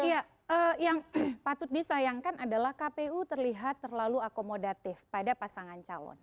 iya yang patut disayangkan adalah kpu terlihat terlalu akomodatif pada pasangan calon